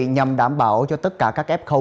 nhằm đảm bảo cho tất cả các f